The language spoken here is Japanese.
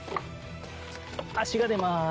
足が出ます。